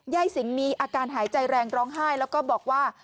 สิงมีอาการหายใจแรงร้องไห้แล้วก็บอกว่า